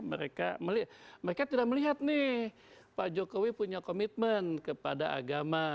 mereka tidak melihat nih pak jokowi punya komitmen kepada agama